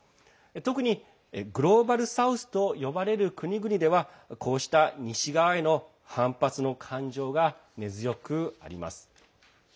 特にグローバル・サウスと呼ばれる国々ではこうした西側への反発の感情が根強くあります。